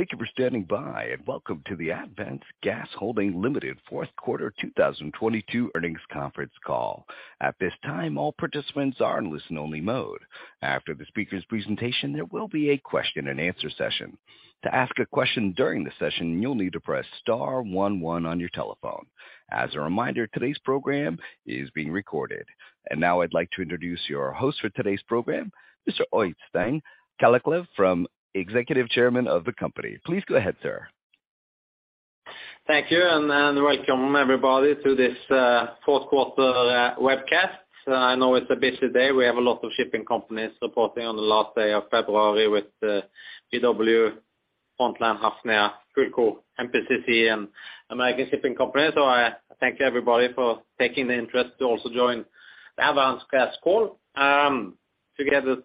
Thank you for standing by, and welcome to the Avance Gas Holding Limited fourth quarter 2022 earnings conference call. At this time, all participants are in listen only mode. After the speaker's presentation, there will be a question and answer session. To ask a question during the session, you'll need to press star 11 on your telephone. As a reminder, today's program is being recorded. Now I'd like to introduce your host for today's program, Mr. Øystein Kalleklev, Executive Chairman of the company. Please go ahead, sir. Thank you, and welcome everybody to this fourth quarter webcast. I know it's a busy day. We have a lot of shipping companies reporting on the last day of February with BW, Frontline, Hafnia, Fulco, MPCC, and American Shipping Company. I thank everybody for taking the interest to also join the Avance Gas call. Together,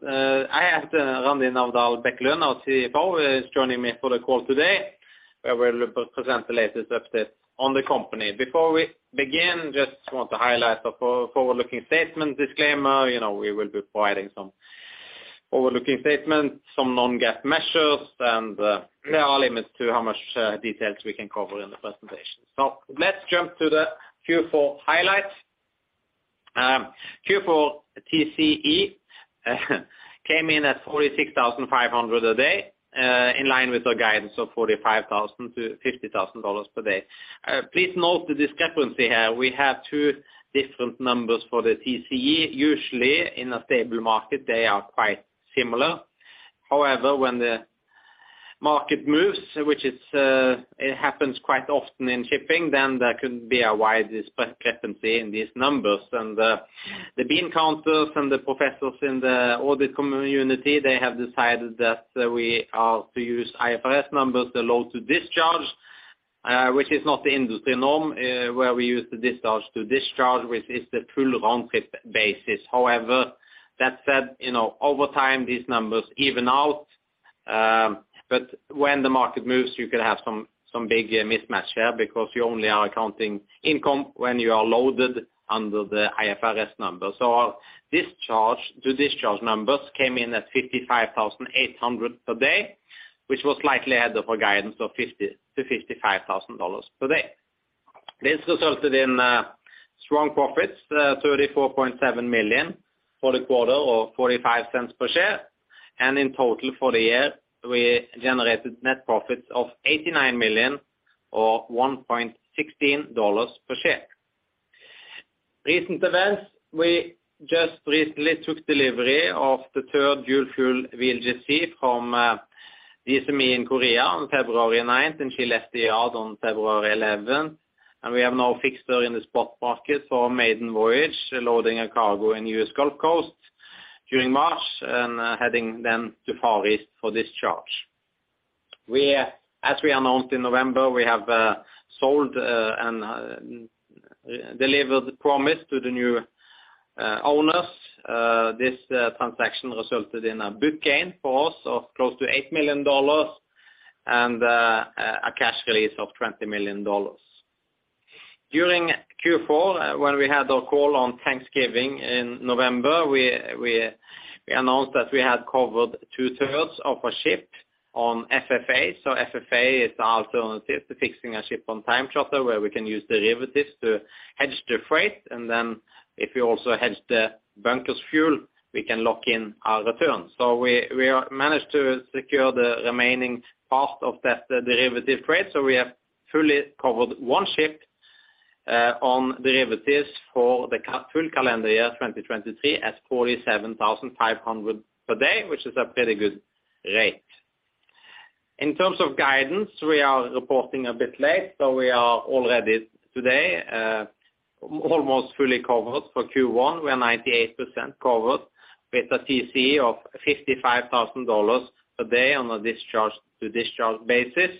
I have Randi Navdal Bekkelund, our CFO, is joining me for the call today, where we'll present the latest updates on the company. Before we begin, just want to highlight the forward-looking statements disclaimer. You know, we will be providing some forward-looking statements, some non-GAAP measures, and there are limits to how much details we can cover in the presentation. Let's jump to the Q4 highlights. Q4 TCE came in at $46,500 a day, in line with our guidance of $45,000-$50,000 per day. Please note the discrepancy here. We have two different numbers for the TCE. Usually, in a stable market, they are quite similar. When the market moves, it happens quite often in shipping, then there can be a wide discrepancy in these numbers. The bean counters and the professors in the audit community, they have decided that we are to use IFRS numbers, the load to discharge, which is not the industry norm, where we use the discharge to discharge, which is the full round trip basis. That said, you know, over time, these numbers even out. When the market moves, you can have some big mismatch here because you only are accounting income when you are loaded under the IFRS number. Our discharge-to-discharge numbers came in at $55,800 per day, which was slightly ahead of our guidance of $50,000-$55,000 per day. This resulted in strong profits, $34.7 million for the quarter or $0.45 per share. In total for the year, we generated net profits of $89 million or $1.16 per share. Recent events, we just recently took delivery of the 3rd dual-fuel VLGC from DSME in Korea on February 9th, and she left the yard on February 11th. We have now fixed her in the spot market for our maiden voyage, loading a cargo in U.S. Gulf Coast during March and heading then to Far East for discharge. As we announced in November, we have sold and delivered Promise to the new owners. This transaction resulted in a big gain for us of close to $8 million and a cash release of $20 million. During Q4, when we had our call on Thanksgiving in November, we announced that we had covered 2/3 of our ship on FFA. FFA is our alternative to fixing a ship on time charter, where we can use derivatives to hedge the freight. If we also hedge the bunkers fuel, we can lock in our return. We are managed to secure the remaining part of that derivative freight. We have fully covered one ship on derivatives for the full calendar year 2023 at $47,500 per day, which is a pretty good rate. In terms of guidance, we are reporting a bit late, we are already today almost fully covered for Q1. We are 98% covered with a TCE of $55,000 a day on a discharge-to-discharge basis.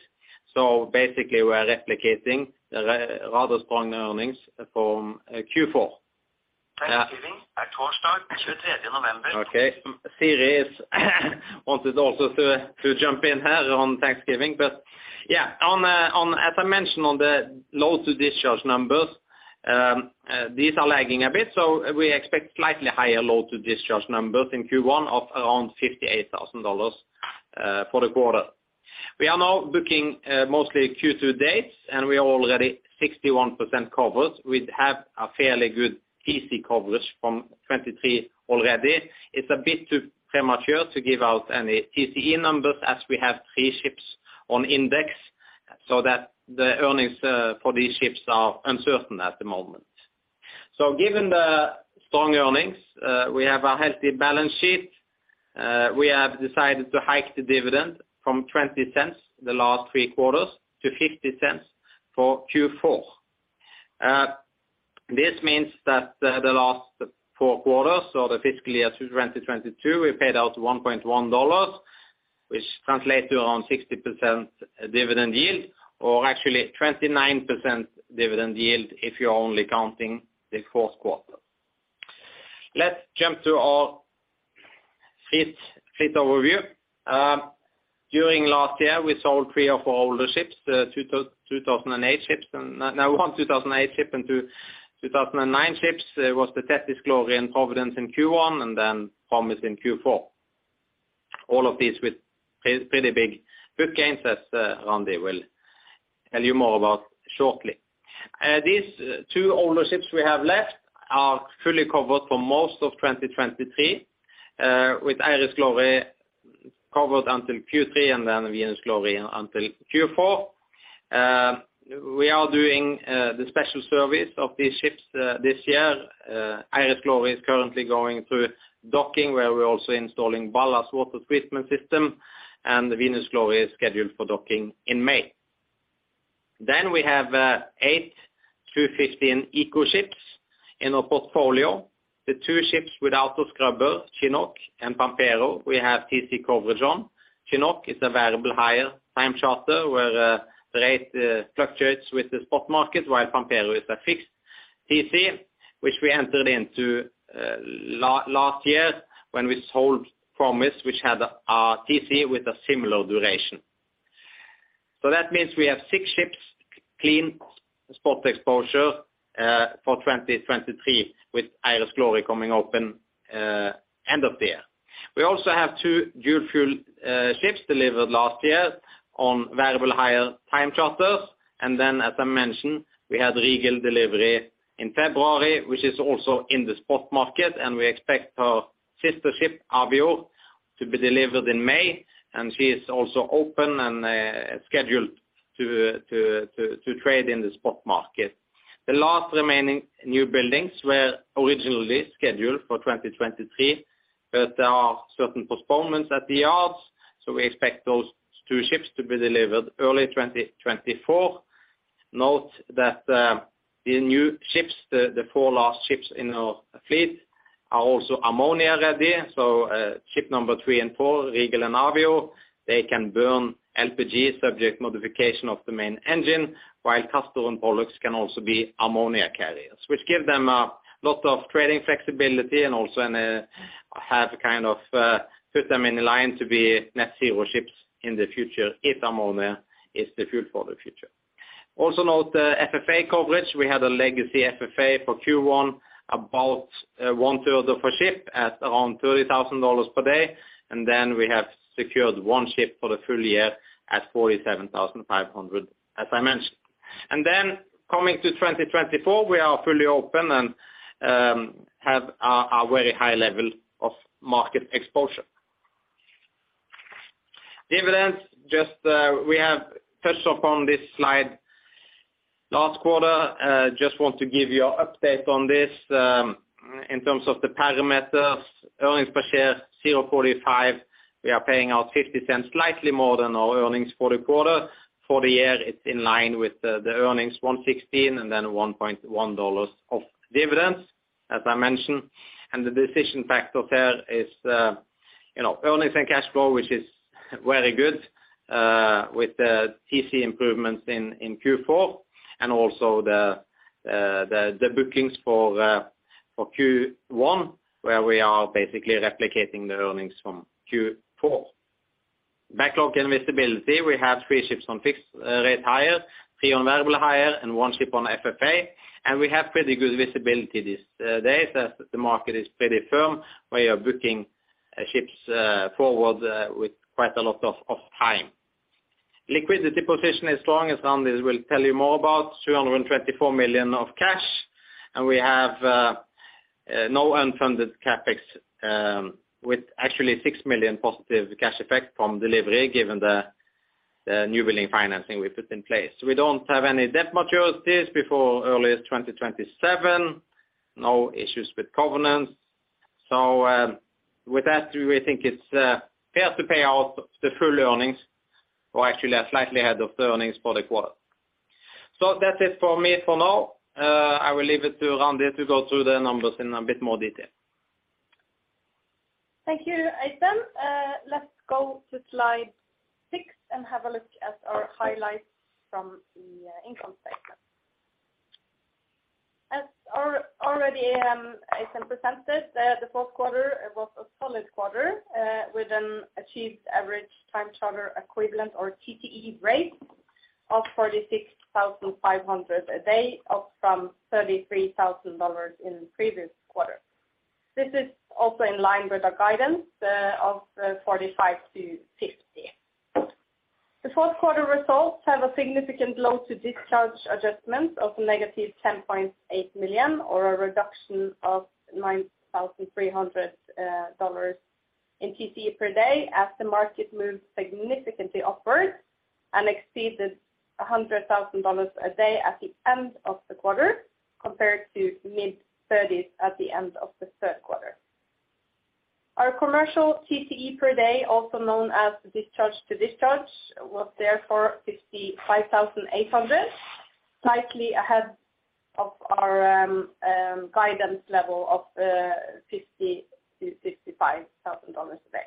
Basically we are replicating the rather strong earnings from Q4. Siri is wanted also to jump in here on Thanksgiving. As I mentioned on the load-to-discharge numbers, these are lagging a bit, we expect slightly higher load-to-discharge numbers in Q1 of around $58,000 for the quarter. We are now booking mostly Q2 dates, and we are already 61% covered. We have a fairly good TC coverage from 2023 already. It's a bit too premature to give out any TCE numbers as we have three ships on index, that the earnings for these ships are uncertain at the moment. Given the strong earnings, we have a healthy balance sheet. We have decided to hike the dividend from $0.20 the last three quarters to $0.50 for Q4. This means that the last four quarters or the fiscal year 2022, we paid out $1.1, which translates to around 60% dividend yield or actually 29% dividend yield if you're only counting the fourth quarter. Let's jump to our fleet overview. During last year, we sold three of our older ships, two 2008 ships. Now one 2008 ship and two 2009 ships. It was the Tethys Glory and Providence in Q1 and then Promise in Q4. All of these with pretty big book gains as Randi will tell you more about shortly. These two older ships we have left are fully covered for most of 2023, with Iris Glory covered until Q3 and then Venus Glory until Q4. We are doing the special service of these ships this year. Iris Glory is currently going through docking, where we're also installing ballast water treatment system and the Venus Glory is scheduled for docking in May. We have eight 2015 eco ships in our portfolio. The two ships without the scrubber, Chinook and Pampero, we have TC coverage on. Chinook is a variable higher time charter where the rate fluctuates with the spot market while Pampero is a fixed TC which we entered into last year when we sold Promise which had a TC with a similar duration. That means we have six ships clean spot exposure for 2023 with Iris Glory coming open end of the year. We also have two dual fuel ships delivered last year on variable higher time charters. As I mentioned, we had Regal delivery in February which is also in the spot market, and we expect our sister ship, Avior, to be delivered in May. She is also open and scheduled to trade in the spot market. The last remaining new buildings were originally scheduled for 2023, but there are certain postponements at the yards, so we expect those two ships to be delivered early 2024. Note that the new ships, the four last ships in our fleet are also ammonia-ready. Ship number three and four, Regal and Avior, they can burn LPG subject modification of the main engine while Castor and Pollux can also be ammonia carriers, which give them a lot of trading flexibility and also have kind of put them in line to be net zero ships in the future if ammonia is the fuel for the future. Note the FFA coverage. We had a legacy FFA for Q1, about 1/3 of a ship at around $30,000 per day. Then we have secured one ship for the full year at $47,500 as I mentioned. Then coming to 2024, we are fully open and have a very high level of market exposure. Dividends, just we have touched upon this slide last quarter. Just want to give you an update on this. In terms of the parameters, earnings per share $0.45, we are paying out $0.50 slightly more than our earnings for the quarter. For the year, it's in line with the earnings $1.16 and then $1.10 of dividends as I mentioned. The decision factor there is, you know, earnings and cash flow which is very good, with the TC improvements in Q4 and also the bookings for Q1 where we are basically replicating the earnings from Q4. Backlog and visibility, we have three ships on fixed rate hire, three on variable hire and one ship on FFA. We have pretty good visibility this day. The market is pretty firm. We are booking ships forward with quite a lot of time. Liquidity position is strong as Randi will tell you more about, $324 million of cash. We have no unfunded CapEx with actually $6 million positive cash effect from delivery given the new building financing we put in place. We don't have any debt maturities before earliest 2027. No issues with covenants. With that we think it's fair to pay out the full earnings or actually a slightly ahead of the earnings for the quarter. That's it for me for now. I will leave it to Randi to go through the numbers in a bit more detail. Thank you, Øystein. Let's go to slide six and have a look at our highlights from the income statement. As already Øystein presented, the fourth quarter was a solid quarter, with an achieved average Time Charter Equivalent or TCE rate of $46,500 a day, up from $33,000 in previous quarter. This is also in line with our guidance of $45,000-$50,000. The fourth quarter results have a significant load-to-discharge adjustments of negative $10.8 million or a reduction of $9,300 in TC per day as the market moved significantly upwards and exceeded $100,000 a day at the end of the quarter compared to mid-$30,000s at the end of the third quarter. Our commercial TCE per day, also known as discharge-to-discharge, was therefore $55,800, slightly ahead of our guidance level of $50,000-$55,000 a day.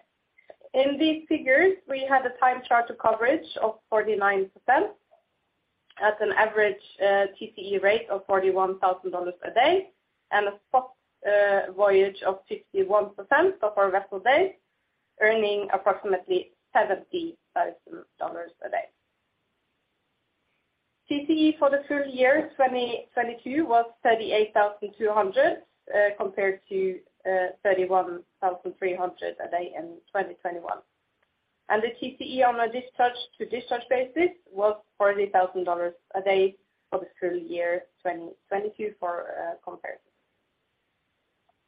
In these figures, we had a time charter coverage of 49% at an average TCE rate of $41,000 per day and a spot voyage of 51% of our vessel days, earning approximately $70,000 a day. TCE for the full year 2022 was $38,200, compared to $31,300 a day in 2021. The TCE on a discharge-to-discharge basis was $40,000 a day for the full year 2022 for comparison.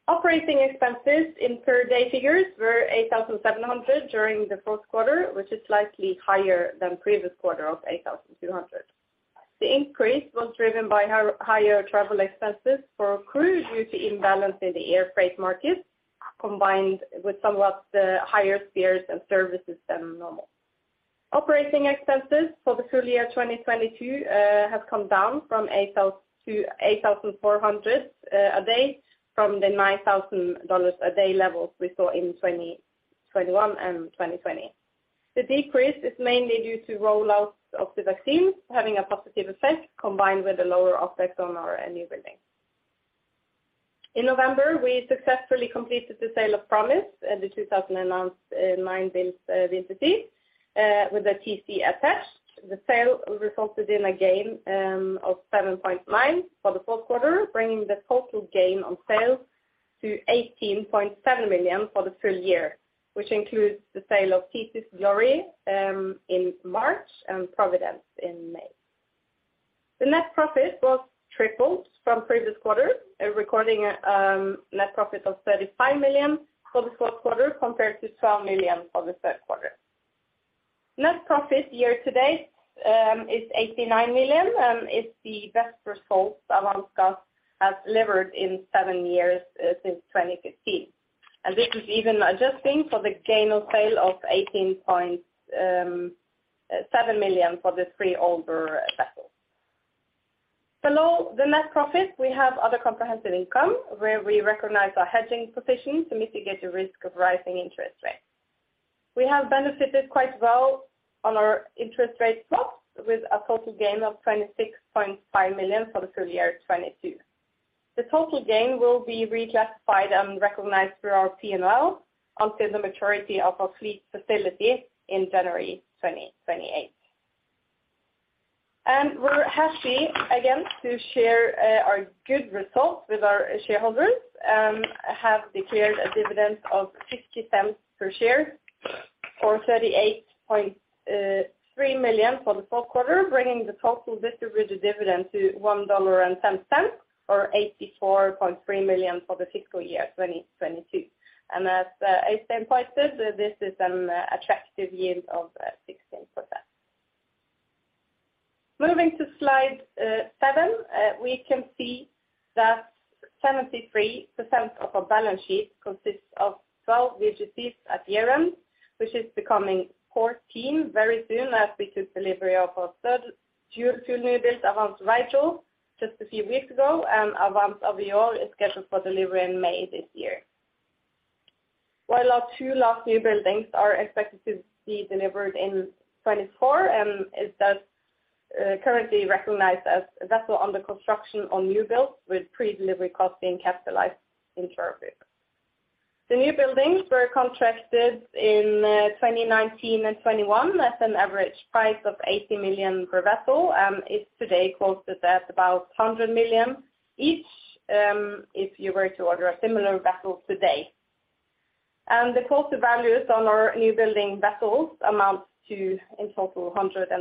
Operating expenses in per day figures were $8,700 during the fourth quarter, which is slightly higher than previous quarter of $8,200. The increase was driven by higher travel expenses for crew due to imbalance in the air freight market, combined with somewhat higher spares and services than normal. Operating expenses for the full year 2022 have come down from $8,400 a day from the $9,000 a day levels we saw in 2021 and 2020. Decrease is mainly due to roll-outs of the vaccines having a positive effect combined with a lower effect on our new building. In November, we successfully completed the sale of Promise at the 2009 build VLGC with the TC attached. The sale resulted in a gain of $7.9 for the fourth quarter, bringing the total gain on sales to $18.7 million for the full year, which includes the sale of Tethys Glory in March and Providence in May. The net profit was tripled from previous quarter, recording a net profit of $35 million for the fourth quarter compared to $12 million for the third quarter. Net profit year to date is $89 million, is the best results Avance Gas has delivered in seven years since 2015. This is even adjusting for the gain of sale of $18.7 million for the three older vessels. Below the net profit, we have other comprehensive income, where we recognize our hedging position to mitigate the risk of rising interest rates. We have benefited quite well on our interest rate swaps with a total gain of $26.5 million for the full year 2022. The total gain will be reclassified and recognized through our P&L until the maturity of our fleet facility in January 2028. We're happy again to share our good results with our shareholders, have declared a dividend of $0.50 per share or $38.3 million for the fourth quarter, bringing the total distributed dividend to $1.10, or $84.3 million for the fiscal year 2022. As Øystein pointed, this is an attractive yield of 16%. Moving to slide seven, we can see that 73% of our balance sheet consists of 12 VLGCs at year-end, which is becoming 14 very soon as we took delivery of our two newbuilds, Avance Vital just a few weeks ago, and Avance Avior is scheduled for delivery in May this year. Our two last new buildings are expected to be delivered in 2024, it does currently recognized as a vessel under construction on newbuild with pre-delivery costs being capitalized in charter rate. The newbuildings were contracted in 2019 and 2021 at an average price of $80 million per vessel, is today quoted at about $100 million each, if you were to order a similar vessel today. The quoted values on our newbuilding vessels amounts to in total $120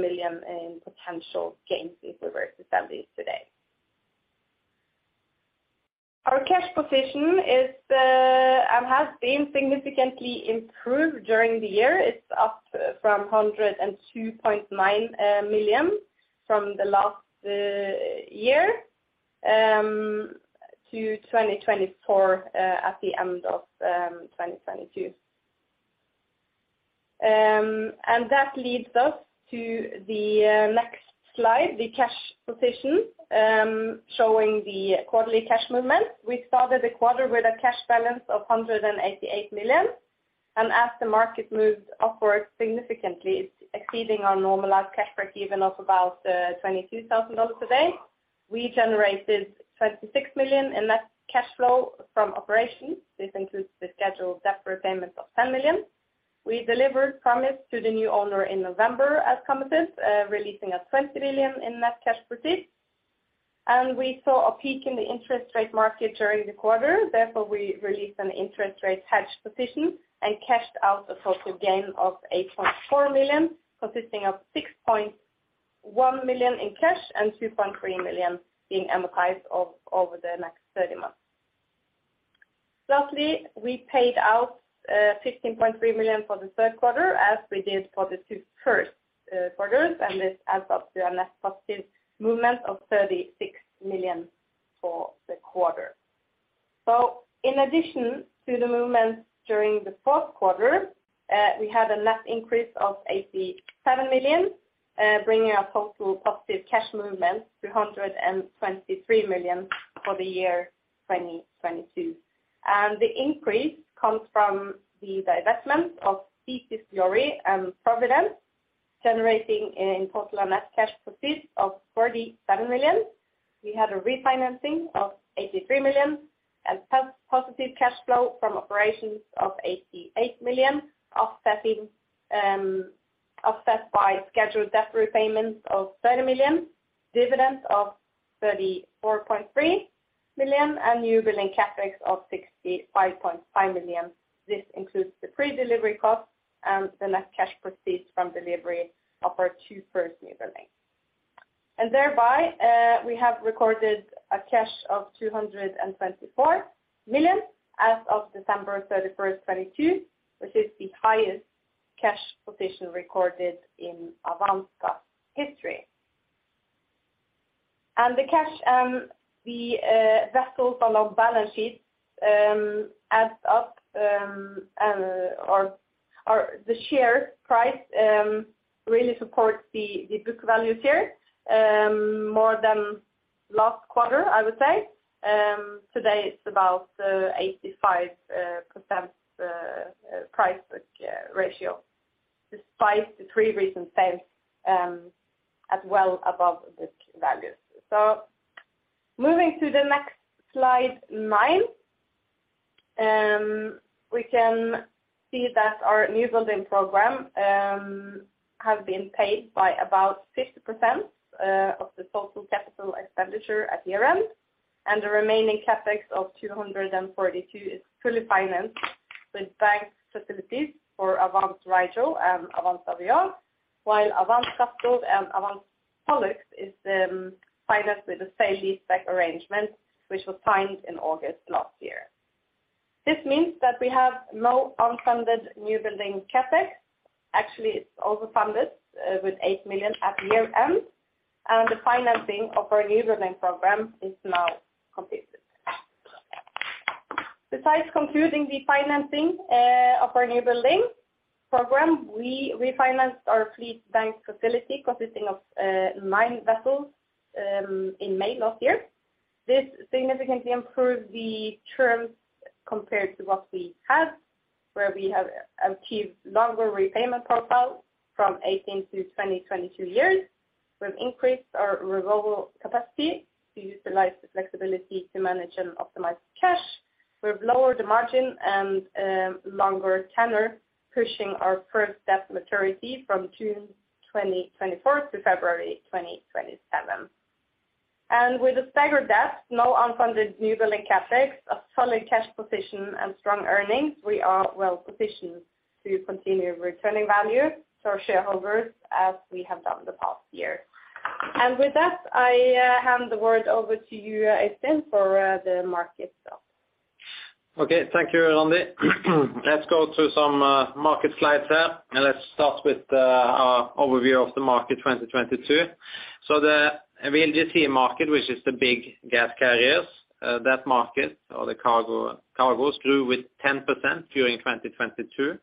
million in potential gains if we were to sell these today. Our cash position is and has been significantly improved during the year. It's up from $102.9 million from the last year to 2024 at the end of 2022. That leads us to the next slide, the cash position, showing the quarterly cash movement. We started the quarter with a cash balance of $188 million. As the market moved upwards significantly, it's exceeding our normalized cash break-even of about $22,000 a day. We generated $26 million in net cash flow from operations. This includes the scheduled debt repayments of $10 million. We delivered Promise to the new owner in November as committed, releasing $20 million in net cash proceeds. We saw a peak in the interest rate market during the quarter. Therefore, we released an interest rate hedge position and cashed out a total gain of $8.4 million, consisting of $6.1 million in cash and $2.3 million being amortized over the next 30 months. Lastly, we paid out $15.3 million for the third quarter as we did for the two first quarters, this adds up to a net positive movement of $36 million for the quarter. In addition to the movements during the fourth quarter, we had a net increase of $87 million, bringing our total positive cash movement to $123 million for the year 2022. The increase comes from the divestment of Tethys Glory and Providence, generating in total a net cash proceed of $47 million. We had a refinancing of $83 million and positive cash flow from operations of $88 million, offsetting, offset by scheduled debt repayments of $30 million, dividends of $34.3 million and newbuilding CapEx of $65.5 million. This includes the pre-delivery costs and the net cash proceeds from delivery of our two first newbuildings. Thereby, we have recorded a cash of $224 million as of December 31, 2022, which is the highest cash position recorded in Avance Gas history. The cash, the vessels on our balance sheets adds up. The share price really supports the book values here, more than last quarter, I would say. Today it's about 85% price book ratio despite the three recent sales at well above book values. Moving to the next slide, nine, we can see that our newbuilding program has been paid by about 50% of the total CapEx at year-end. The remaining CapEx of 242 is fully financed with bank facilities for Avance Rigel and Avance Avior, while Avance Castor and Avance Pollux is financed with a sale-leaseback arrangement, which was signed in August last year. This means that we have no unfunded newbuilding CapEx. Actually, it's overfunded with $8 million at year-end, the financing of our newbuilding program is now completed. Besides concluding the financing of our newbuilding program, we refinanced our fleet bank facility consisting of nine vessels in May last year. This significantly improved the terms compared to what we had, where we have achieved longer repayment profile from 18 to 20-22 years. We've increased our renewable capacity to utilize the flexibility to manage and optimize cash. We've lowered the margin and longer tenor, pushing our first debt maturity from June 2024 to February 2027. With a staggered debt, no unfunded newbuilding CapEx, a solid cash position and strong earnings, we are well positioned to continue returning value to our shareholders as we have done the past year. With that, I hand the word over to you, Øystein, for the market stuff. Okay. Thank you, Randi. Let's go through some market slides here. Let's start with our overview of the market 2022. The LNG sea market, which is the big gas carriers, that market or the cargos grew with 10% during 2022.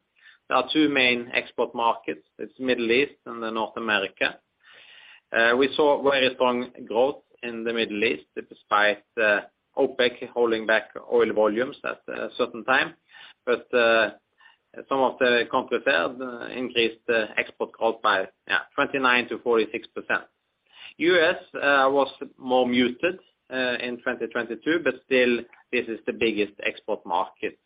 There are two main export markets. It's Middle East, North America. We saw very strong growth in the Middle East despite OPEC holding back oil volumes at a certain time. Some of the countries there increased export growth by 29%-46%. U.S. was more muted in 2022, still this is the biggest export market.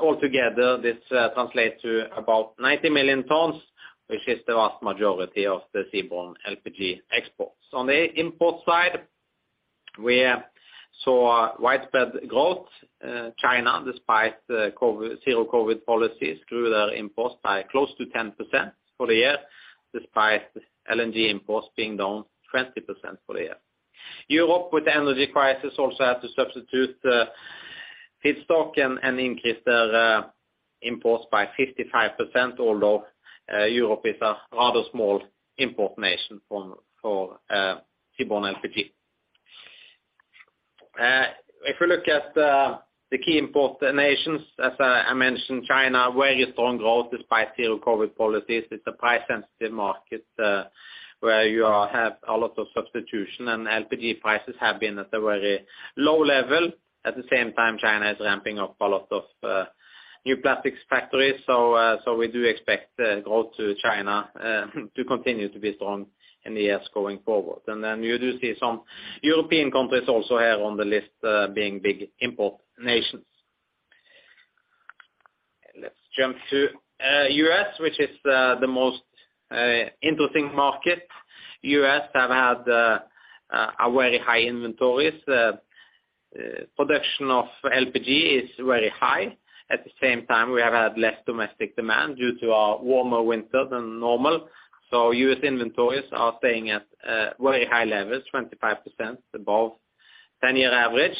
Altogether, this translates to about 90 million tons, which is the vast majority of the seaborne LPG exports. On the import side, we saw widespread growth. China, despite the zero-COVID policies, grew their imports by close to 10% for the year, despite LNG imports being down 20% for the year. Europe, with the energy crisis, also had to substitute pit stock and increase their imports by 55% although Europe is a rather small import nation for seaborne LPG. If we look at the key import nations, as I mentioned China, very strong growth despite zero-COVID policies. It's a price-sensitive market, where you have a lot of substitution and LPG prices have been at a very low level. At the same time, China is ramping up a lot of new plastics factories. We do expect the growth to China to continue to be strong in the years going forward. Then you do see some European countries also here on the list, being big import nations. Let's jump to U.S., which is the most interesting market. U.S. have had a very high inventories. Production of LPG is very high. At the same time, we have had less domestic demand due to our warmer winter than normal. U.S. inventories are staying at very high levels, 25% above 10-year average.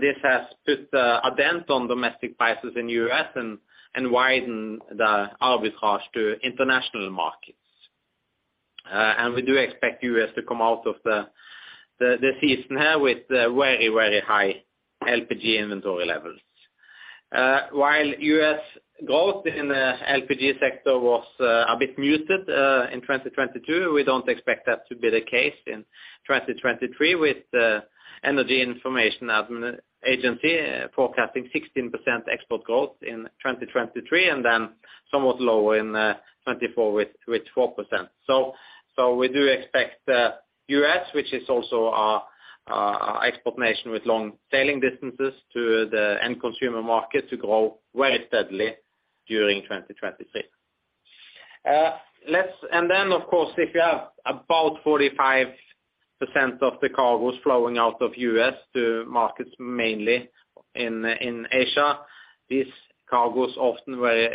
This has put a dent on domestic prices in U.S. and widened the arbitrage to international markets. We do expect U.S. to come out of the season here with very high LPG inventory levels. While U.S. growth in the LPG sector was a bit muted in 2022, we don't expect that to be the case in 2023 with U.S. Energy Information Administration forecasting 16% export growth in 2023 and then somewhat lower in 2024 with 4%. We do expect U.S. which is also our export nation with long sailing distances to the end consumer market to grow very steadily during 2023. Of course, if you have about 45% of the cargos flowing out of U.S. to markets mainly in Asia, these cargos often very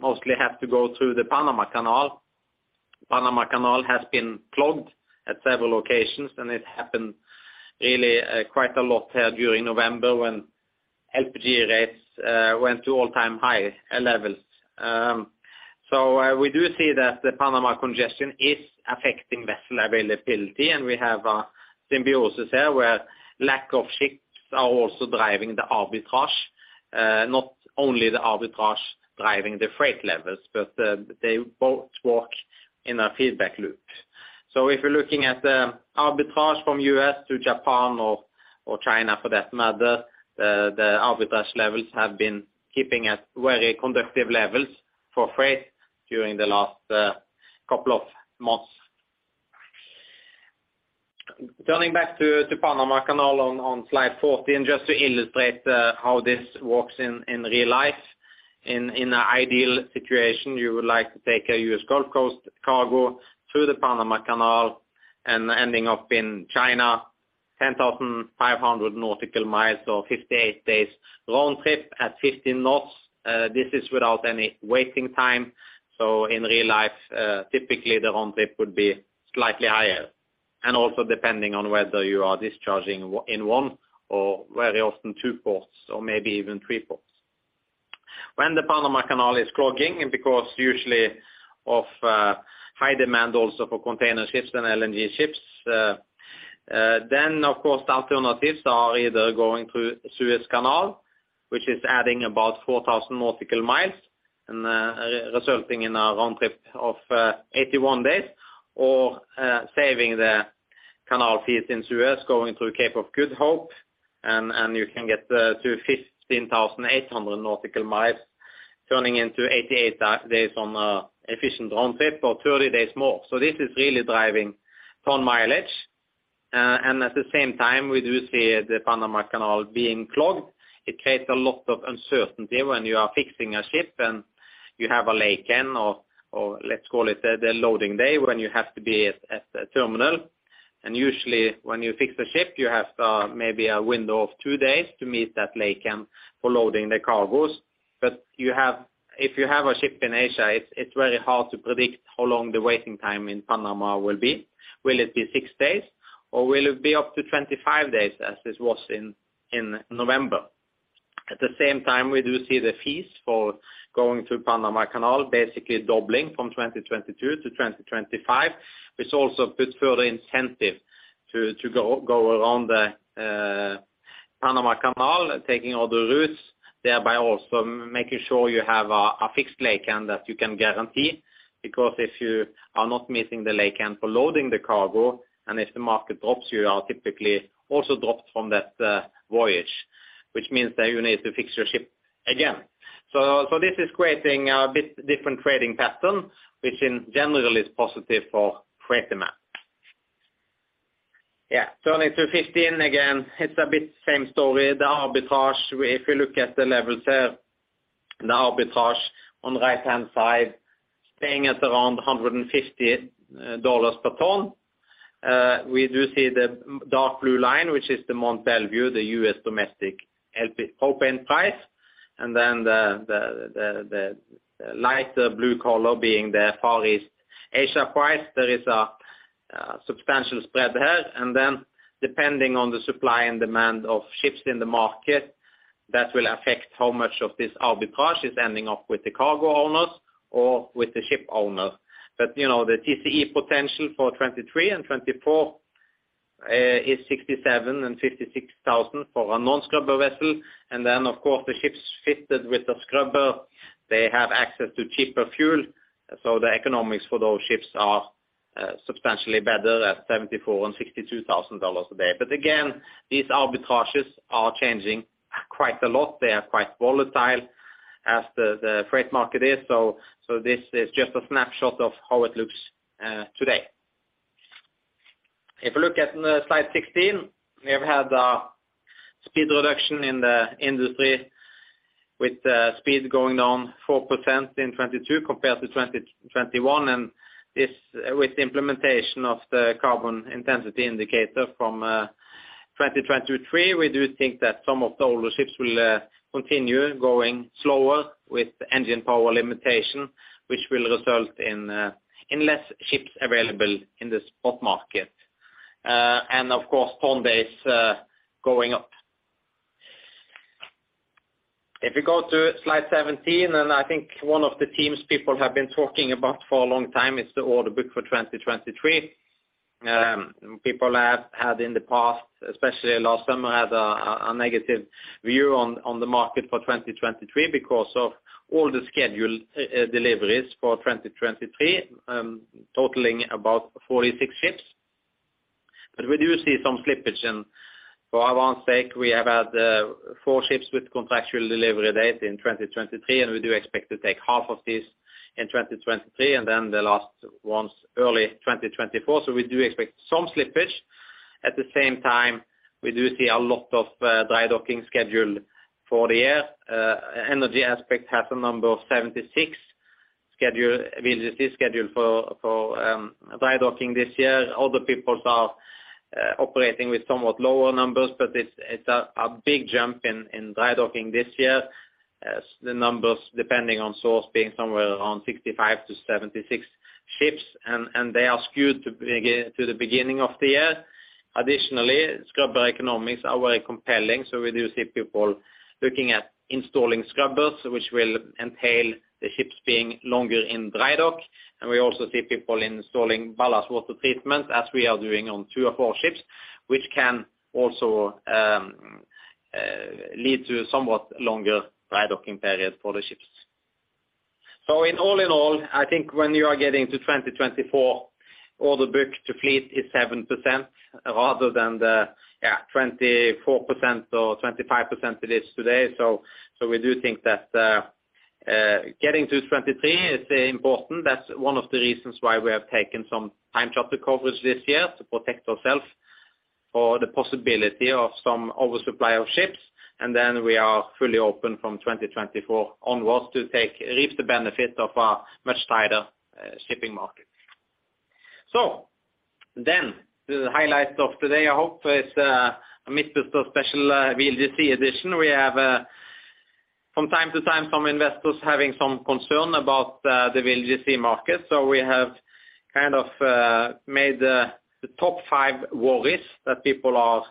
mostly have to go through the Panama Canal. Panama Canal has been clogged at several occasions, and it happened really quite a lot here during November when LPG rates went to all-time high levels. We do see that the Panama congestion is affecting vessel availability, and we have a symbiosis here where lack of ships are also driving the arbitrage, not only the arbitrage driving the freight levels, but they both work in a feedback loop. If you're looking at the arbitrage from U.S. to Japan or China for that matter, the arbitrage levels have been keeping at very conductive levels for freight during the last couple of months. Turning back to Panama Canal on slide 14, just to illustrate how this works in real life. In an ideal situation, you would like to take a U.S. Gulf Coast cargo through the Panama Canal and ending up in China 10,500 nautical miles, so 58 days round trip at 15 knots. This is without any waiting time. In real life, typically the round trip would be slightly higher. Also depending on whether you are discharging in one or very often two ports or maybe even three ports. When the Panama Canal is clogging, because usually of high demand also for container ships and LNG ships, then of course, the alternatives are either going through Suez Canal, which is adding about 4,000 nautical miles and resulting in a round trip of 81 days, or saving the canal fees in Suez going through Cape of Good Hope and you can get to 15,800 nautical miles, turning into 88 days on a efficient round trip or 30 days more. This is really driving ton mileage. At the same time, we do see the Panama Canal being clogged. It creates a lot of uncertainty when you are fixing a ship and you have a laycan or let's call it the loading day when you have to be at the terminal. Usually when you fix a ship, you have maybe a window of two days to meet that laycan for loading the cargos. If you have a ship in Asia, it's very hard to predict how long the waiting time in Panama will be. Will it be six days or will it be up to 25 days as this was in November? At the same time, we do see the fees for going through Panama Canal basically doubling from 2022 to 2025, which also puts further incentive to go around the Panama Canal, taking other routes, thereby also making sure you have a fixed laycan that you can guarantee. If you are not meeting the laycan for loading the cargo, and if the market drops, you are typically also dropped from that voyage, which means that you need to fix your ship again. This is creating a bit different trading pattern, which in general is positive for freight demand. Yeah, turning to 15 again, it's a bit same story. The arbitrage, if you look at the levels here, the arbitrage on the right-hand side staying at around $150 per ton. We do see the dark blue line, which is the Mont Belvieu, the U.S. domestic LP-Propane price, and then the lighter blue color being the Far East Asia price. There is a substantial spread here. Depending on the supply and demand of ships in the market, that will affect how much of this arbitrage is ending up with the cargo owners or with the ship owners. You know, the TCE potential for 2023 and 2024 is $67,000 and $56,000 for a non-scrubber vessel. Of course, the ships fitted with the scrubber, they have access to cheaper fuel. The economics for those ships are substantially better at $74,000 and $62,000 a day. Again, these arbitrages are changing quite a lot. They are quite volatile as the freight market is. This is just a snapshot of how it looks today. If you look at slide 16, we have had a speed reduction in the industry with the speed going down 4% in 2022 compared to 2021. This with the implementation of the Carbon Intensity Indicator from 2023, we do think that some of the older ships will continue going slower with Engine Power Limitation, which will result in less ships available in the spot market. Of course, ton-days going up. If you go to slide 17, I think one of the themes people have been talking about for a long time is the order book for 2023. People have had in the past, especially last summer, had a negative view on the market for 2023 because of all the scheduled deliveries for 2023, totaling about 46 ships. We do see some slippage in, for our own sake, we have had four ships with contractual delivery date in 2023, and we do expect to take half of this in 2023, and then the last ones early 2024. We do expect some slippage. At the same time, we do see a lot of dry docking scheduled for the year. Energy Aspects has a number of 76 VLGC schedule for dry docking this year. Other peoples are operating with somewhat lower numbers, but it's a big jump in dry docking this year as the numbers, depending on source, being somewhere around 65 to 76 ships, and they are skewed to the beginning of the year. Additionally, scrubber economics are very compelling, so we do see people looking at installing scrubbers which will entail the ships being longer in dry dock. We also see people installing ballast water treatment as we are doing on two of our ships, which can also lead to somewhat longer dry docking periods for the ships. All in all, I think when you are getting to 2024, order book to fleet is 7% rather than the, yeah, 24% or 25% it is today. We do think that getting to 23 is important. That's one of the reasons why we have taken some time charter coverage this year to protect ourselves for the possibility of some oversupply of ships. We are fully open from 2024 onwards to reap the benefit of a much tighter shipping market. The highlight of today, I hope, is amidst the special VLG edition. We have from time to time, some investors having some concern about the VLG market, we have kind of made the top 5 worries that people are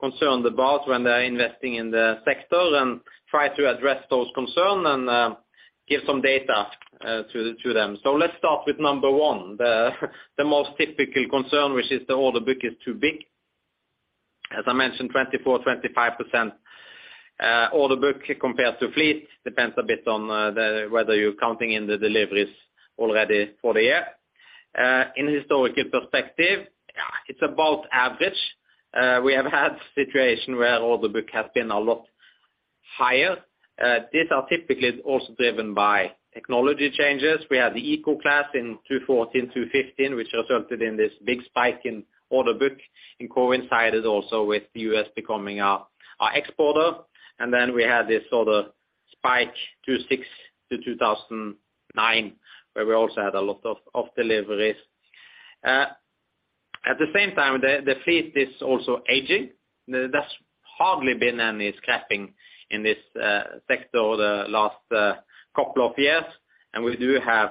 concerned about when they are investing in the sector and try to address those concern and give some data to them. Let's start with number one, the most typical concern, which is the order book is too big. As I mentioned, 24%-25% order book compared to fleet depends a bit on whether you're counting in the deliveries already for the year. In historical perspective, it's about average. We have had situation where order book has been a lot higher. These are typically also driven by technology changes. We have the Eco class in 2014, 2015, which resulted in this big spike in order book and coincided also with U.S. becoming our exporter. We had this sort of spike 2006-2009, where we also had a lot of deliveries. At the same time, the fleet is also aging. That's hardly been any scrapping in this sector the last couple of years. We do have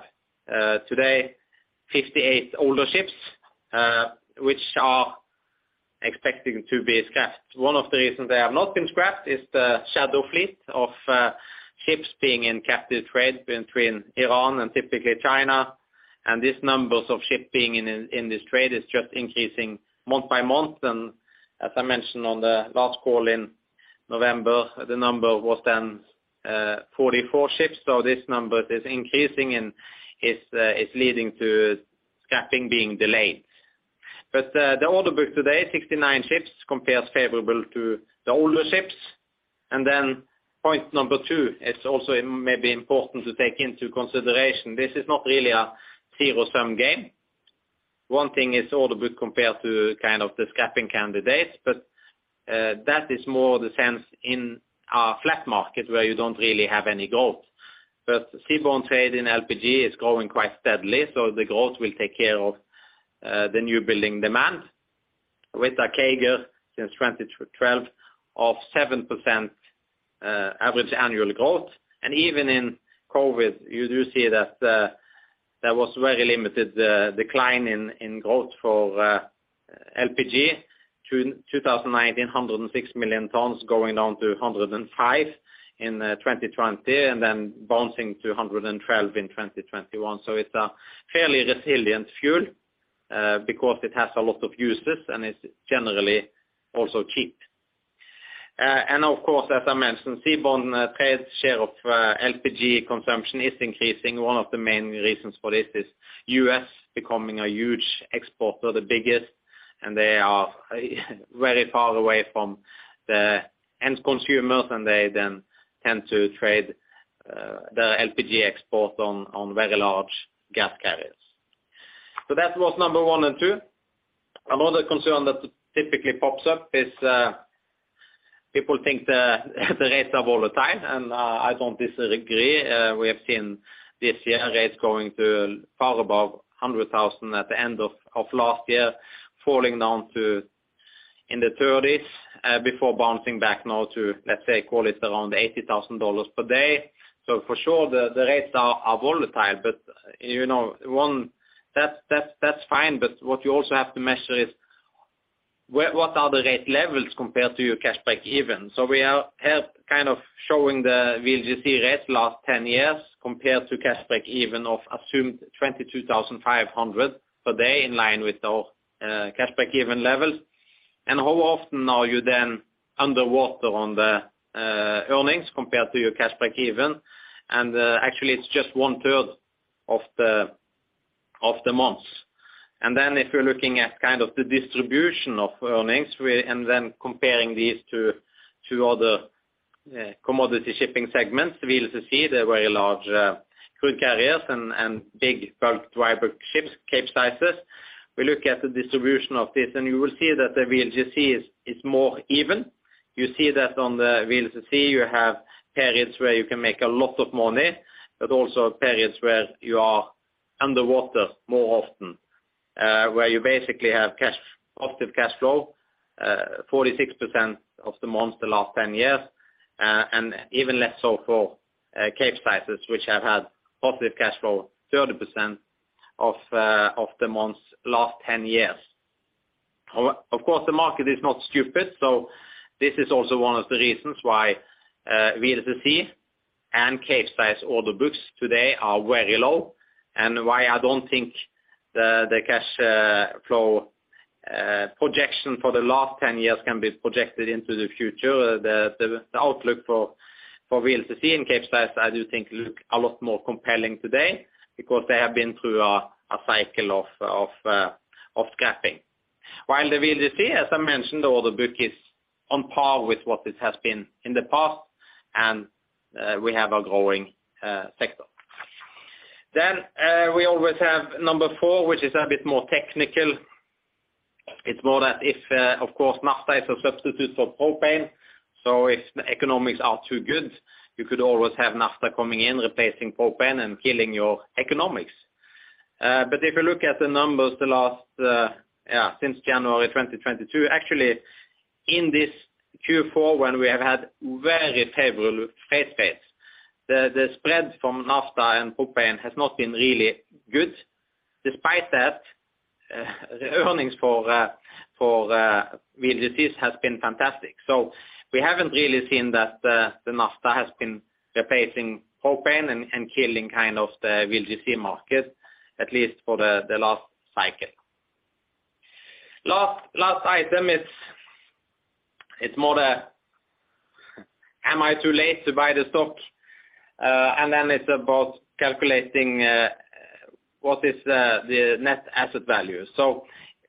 today 58 older ships which are expecting to be scrapped. One of the reasons they have not been scrapped is the shadow fleet of ships being in captive trade between Iran and typically China. These numbers of shipping in this trade is just increasing month by month. As I mentioned on the last call in November, the number was then 44 ships. This number is increasing and is leading to scrapping being delayed. The order book today, 69 ships, compares favorable to the older ships. Point number two, it's also maybe important to take into consideration this is not really a zero-sum game. One thing is order book compared to kind of the scrapping candidates, but, that is more the sense in a flat market where you don't really have any growth. Seaborne trade in LPG is growing quite steadily, so the growth will take care of the new building demand with a CAGR since 2012 of 7% average annual growth. Even in COVID, you do see that there was very limited decline in growth for LPG. 2019, 106 million tons, going down to 105 in 2020, and then bouncing to 112 in 2021. It's a fairly resilient fuel because it has a lot of uses and it's generally also cheap. Of course, as I mentioned, seaborne trade share of LPG consumption is increasing. One of the main reasons for this is U.S. becoming a huge exporter, the biggest, and they are very far away from the end consumers, and they then tend to trade the LPG exports on very large gas carriers. That was number one and two. Another concern that typically pops up is people think the rates are volatile, and I don't disagree. We have seen this year rates going to far above $100,000 at the end of last year, falling down to in the 30s, before bouncing back now to, let's say, call it around $80,000 per day. For sure the rates are volatile, but you know, that's fine, but what you also have to measure is what are the rate levels compared to your cash break-even? We are here kind of showing the VLGC rates last 10 years compared to cash break even of assumed $22,500 per day in line with our cash break even levels. How often are you then underwater on the earnings compared to your cash break even? Actually it's just 1/3 of the months. If you're looking at kind of the distribution of earnings, and then comparing these to other commodity shipping segments, VLCC, the very large crude carriers and big bulk driver ships, Capesizes. We look at the distribution of this, you will see that the VLCC is more even. You see that on the VLCC, you have periods where you can make a lot of money, but also periods where you are underwater more often, where you basically have positive cash flow, 46% of the months the last 10 years, and even less so for Capesizes, which have had positive cash flow 30% of the months last 10 years. Of course, the market is not stupid, this is also one of the reasons why VLCC and Capesize order books today are very low, and why I don't think the cash flow projection for the last 10 years can be projected into the future. The outlook for VLCC and Capesize, I do think look a lot more compelling today because they have been through a cycle of scrapping. While the VLCC, as I mentioned, order book is on par with what this has been in the past, and we have a growing sector. We always have number four, which is a bit more technical. It's more that if, of course, Naphtha is a substitute for propane, so if the economics are too good, you could always have Naphtha coming in, replacing propane and killing your economics. If you look at the numbers the last, since January 2022, actually in this Q4 when we have had very favorable freight rates, the spread from Naphtha and propane has not been really good. Despite that, the earnings for VLCCs has been fantastic. We haven't really seen that Naphtha has been replacing propane and killing kind of the VLCC market, at least for the last cycle. Last item is, it's more the, am I too late to buy the stock? It's about calculating what is the net asset value.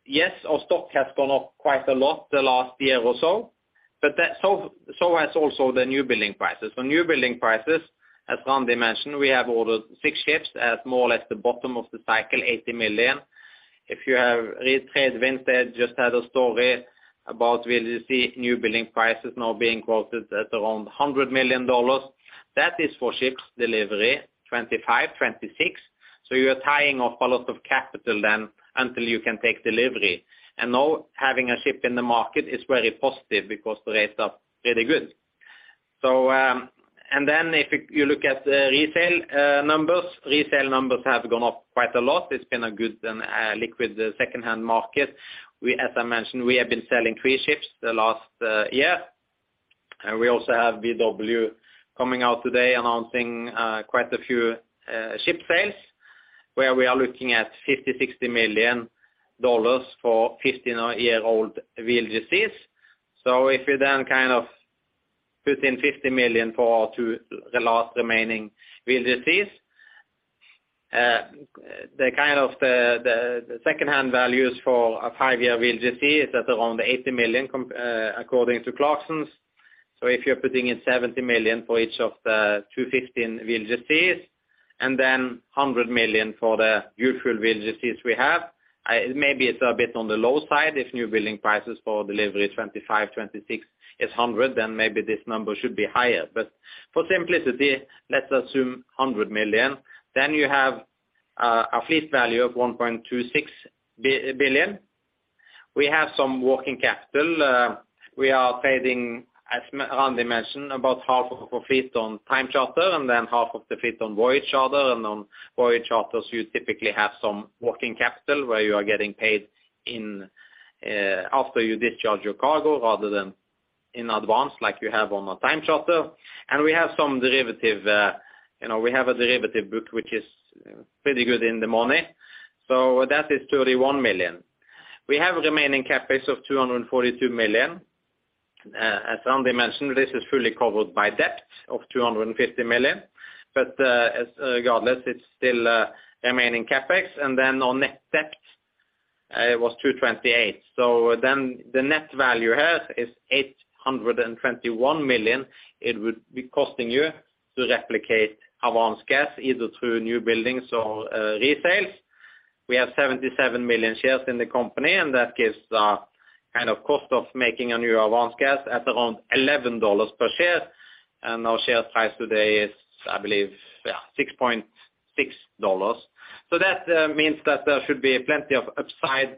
Yes, our stock has gone up quite a lot the last year or so has also the new building prices. New building prices, as Randy mentioned, we have ordered six ships at more or less the bottom of the cycle, $80 million. If you have read TradeWinds, they just had a story about VLCC new building prices now being quoted at around $100 million. That is for ships delivery 2025, 2026. You are tying up a lot of capital then until you can take delivery. Now having a ship in the market is very positive because the rates are really good. If you look at the resale numbers, resale numbers have gone up quite a lot. It's been a good and liquid secondhand market. We, as I mentioned, we have been selling three ships the last year. We also have BW coming out today announcing quite a few ship sales, where we are looking at $50 million-$60 million for 15-year-old VLCCs. If you put in $50 million for our two, the last remaining VLCCs, the secondhand values for a five-year VLCC is at around $80 million according to Clarksons. If you're putting in $70 million for each of the 2 15 VLCCs, and then $100 million for the usual VLCCs we have, maybe it's a bit on the low side if new building prices for delivery 2025, 2026 is $100 million, then maybe this number should be higher. But for simplicity, let's assume $100 million. You have a fleet value of $1.26 billion. We have some working capital. We are trading, as Randy mentioned, about half of our fleet on time charter and then half of the fleet on voyage charter. On voyage charters, you typically have some working capital where you are getting paid in after you discharge your cargo rather than in advance like you have on a time charter. We have some derivative, you know, we have a derivative book which is pretty good in the money. That is $31 million. We have remaining CapEx of $242 million. As Randi mentioned, this is fully covered by debt of $250 million, regardless, it's still remaining CapEx. On net debt, it was $228 million. The net value here is $821 million it would be costing you to replicate Avance Gas either through new buildings or resales. We have 77 million shares in the company, and that gives the kind of cost of making a new Avance Gas at around $11 per share. Our share price today is, I believe, $6.6. means that there should be plenty of upside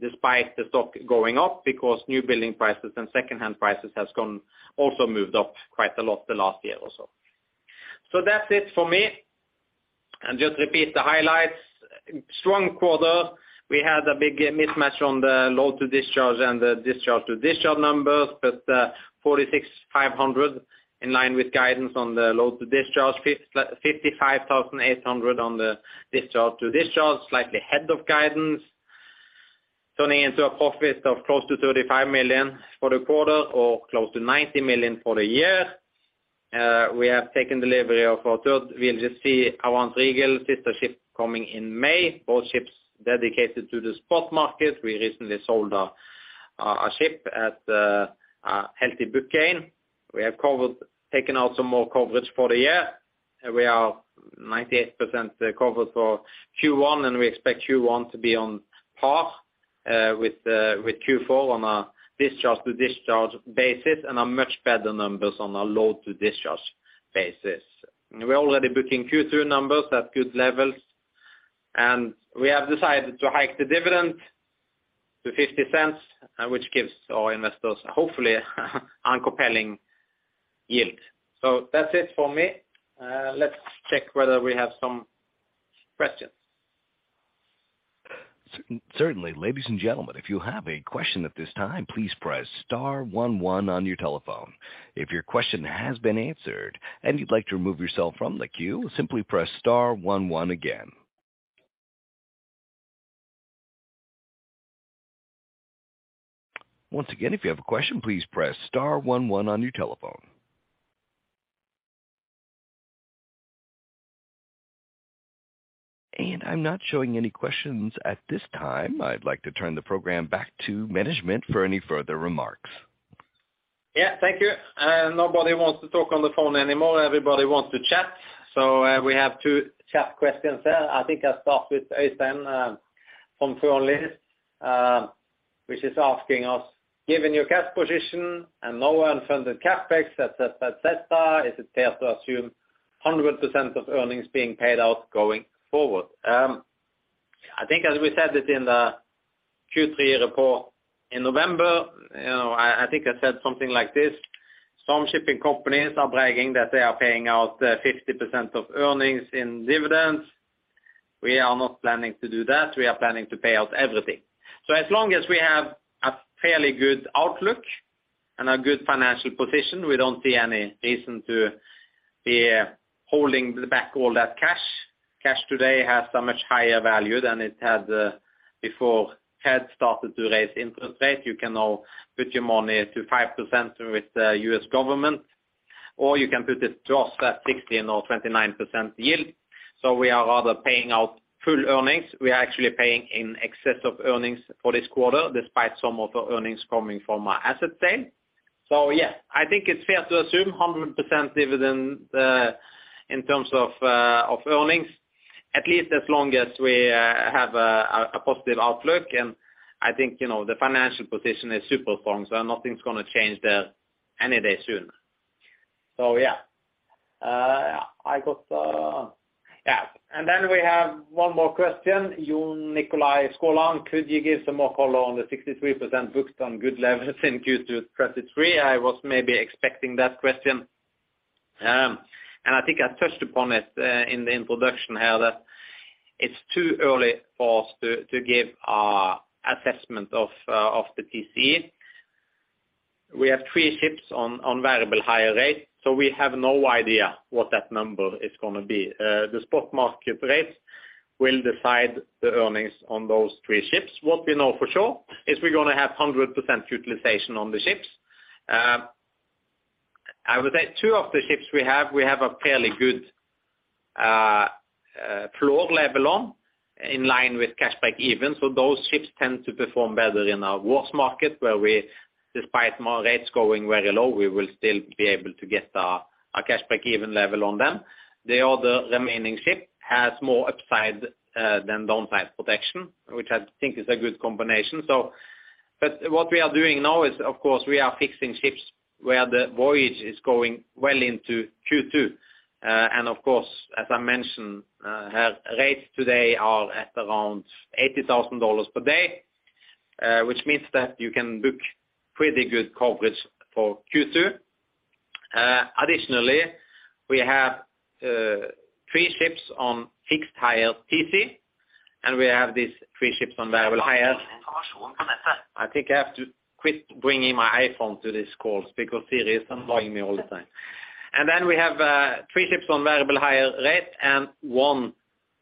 despite the stock going up because new building prices and secondhand prices also moved up quite a lot the last year or so. That's it for me. Just repeat the highlights. Strong quarter. We had a big mismatch on the load-to-discharge and the discharge-to-discharge numbers, $46,500 in line with guidance on the load-to-discharge, $55,800 on the discharge-to-discharge, slightly ahead of guidance. Turning into a profit of close to $35 million for the quarter or close to $90 million for the year. We have taken delivery of our third VLGC, Avance Regal, sister ship coming in May, both ships dedicated to the spot market. We recently sold a ship at a healthy book gain. We have taken out some more coverage for the year, and we are 98% covered for Q1, and we expect Q1 to be on par with Q4 on a discharge-to-discharge basis and a much better numbers on a load-to-discharge basis. We're already booking Q2 numbers at good levels, and we have decided to hike the dividend to $0.50, which gives our investors, hopefully a compelling yield. That's it for me. Let's check whether we have some questions. Certainly. Ladies and gentlemen, if you have a question at this time, please press star one one on your telephone. If your question has been answered and you'd like to remove yourself from the queue, simply press star one one again. Once again, if you have a question, please press star one one on your telephone. I'm not showing any questions at this time. I'd like to turn the program back to management for any further remarks. Thank you. Nobody wants to talk on the phone anymore. Everybody wants to chat. We have two chat questions there. I think I'll start with Øystein from Fearnley Securities, which is asking us, "Given your cash position and no unfunded CapEx," etc., etc., "is it fair to assume 100% of earnings being paid out going forward?" I think as we said it in the Q3 report in November, you know, I think I said something like this, some shipping companies are bragging that they are paying out 50% of earnings in dividends. We are not planning to do that. We are planning to pay out everything. As long as we have a fairly good outlook and a good financial position, we don't see any reason to be holding back all that cash. Cash today has a much higher value than it had before Fed started to raise interest rates. You can now put your money to 5% with the U.S. government, or you can put it to us at 16 or 29% yield. We are rather paying out full earnings. We are actually paying in excess of earnings for this quarter, despite some of the earnings coming from our asset sale. Yes, I think it's fair to assume 100% dividend in terms of earnings, at least as long as we have a positive outlook. I think, you know, the financial position is super strong, so nothing's gonna change there any day soon. Yeah. Yeah. Then we have one more question. Jon Nikolai Skåland, could you give some more color on the 63% booked on good levels in Q2 2023? I was maybe expecting that question. I think I touched upon it in the introduction here that it's too early for us to give our assessment of the TC. We have three ships on variable higher rates, we have no idea what that number is gonna be. The spot market rates will decide the earnings on those three ships. What we know for sure is we're gonna have 100% utilization on the ships. I would say two of the ships we have, we have a fairly good floor level on in line with cash break even. Those ships tend to perform better in a worse market where we, despite more rates going very low, we will still be able to get a cash break-even level on them. The other remaining ship has more upside than downside protection, which I think is a good combination. What we are doing now is, of course, we are fixing ships where the voyage is going well into Q2. Of course, as I mentioned, our rates today are at around $80,000 per day, which means that you can book pretty good coverage for Q2. Additionally, we have three ships on fixed higher TC, and we have these three ships on variable hires. I think I have to quit bringing my iPhone to these calls because Siri is annoying me all the time. We have three ships on variable hire rate and one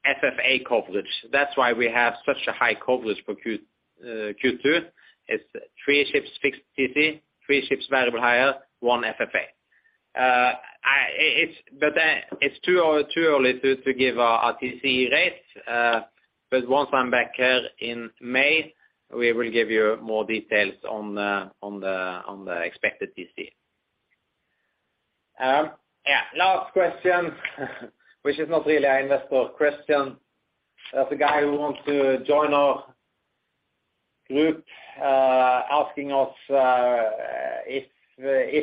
FFA coverage. That's why we have such a high coverage for Q2. It's three ships fixed TC, three ships variable hire, one FFA. It's too early to give our TC rates, but once I'm back here in May, we will give you more details on the expected TC. Last question, which is not really an investor question. There's a guy who wants to join our group, asking us if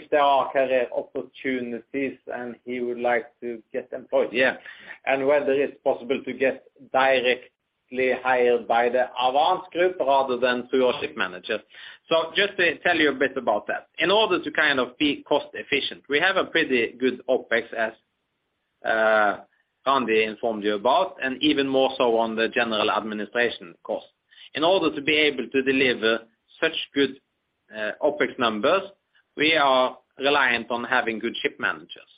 there are career opportunities, and he would like to get employed. Whether it's possible to get directly hired by the Avance group rather than through a ship manager. Just to tell you a bit about that. In order to kind of be cost efficient, we have a pretty good OpEx, as Andy informed you about, and even more so on the general administration cost. In order to be able to deliver such good OpEx numbers, we are reliant on having good ship managers.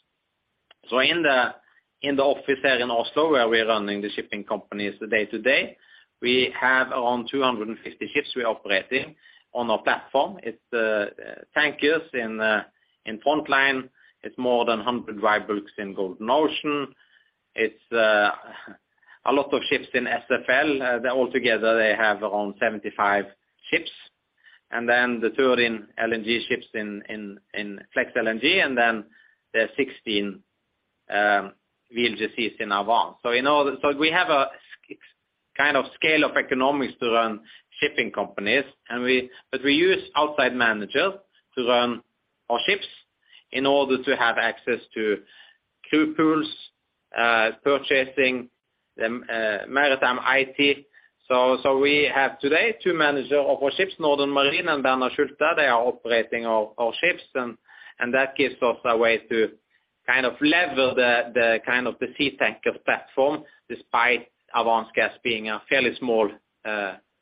In the office there in Oslo where we are running the shipping companies the day-to-day, we have around 250 ships we're operating on our platform. It's tankers in Frontline, it's more than 100 Capesizes in Golden Ocean. It's a lot of ships in SFL. They all together, they have around 75 ships. The third in LNG ships in Flex LNG, and then there are 16 VLGCs in Avance. We have a kind of scale of economics to run shipping companies but we use outside managers to run our ships in order to have access to crew pools, purchasing, maritime IT. We have today two manager of our ships, Northern Marine and Bernhard Schulte. They are operating our ships and that gives us a way to kind of level the kind of the sea tanker platform despite Avance Gas being a fairly small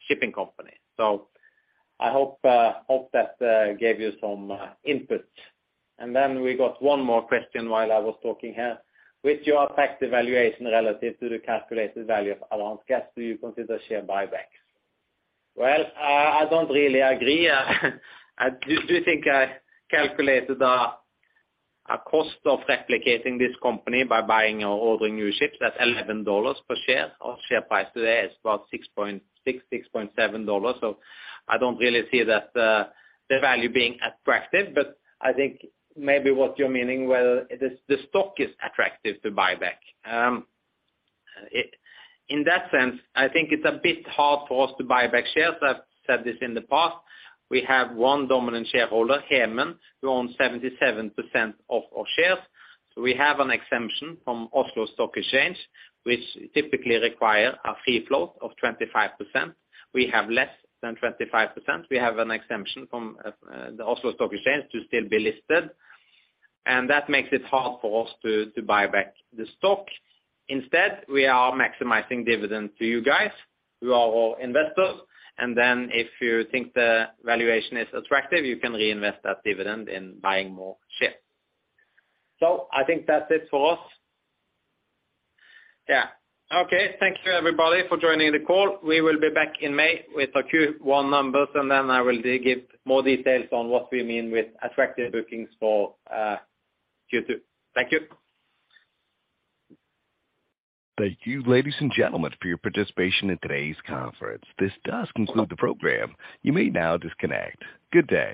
shipping company. I hope that gave you some input. We got one more question while I was talking here. With your effect evaluation relative to the calculated value of Avance Gas, do you consider share buybacks? I don't really agree. I do think I calculated a cost of replicating this company by buying or ordering new ships. That's $11 per share. Our share price today is about $6.6-$6.7. I don't really see that the value being attractive. I think maybe what you're meaning, the stock is attractive to buy back. In that sense, I think it's a bit hard for us to buy back shares. I've said this in the past. We have one dominant shareholder, Hemen Holding, who owns 77% of our shares. We have an exemption from Oslo Stock Exchange, which typically require a fee flow of 25%. We have less than 25%. We have an exemption from the Oslo Stock Exchange to still be listed, that makes it hard for us to buy back the stock. Instead, we are maximizing dividends to you guys who are our investors, if you think the valuation is attractive, you can reinvest that dividend in buying more ships. I think that's it for us. Yeah. Okay. Thank you everybody for joining the call. We will be back in May with our Q1 numbers, I will dig in more details on what we mean with attractive bookings for Q2. Thank you. Thank you, ladies and gentlemen, for your participation in today's conference. This does conclude the program. You may now disconnect. Good day.